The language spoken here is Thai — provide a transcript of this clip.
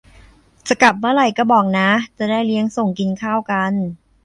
จะกลับเมื่อไหร่ก็บอกนะ จะได้เลี้ยงส่ง กินข้าวกัน